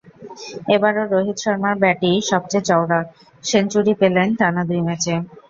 এবারও রোহিত শর্মার ব্যাটই সবচেয়ে চওড়া, সেঞ্চুরি পেলেন টানা দুই ম্যাচে।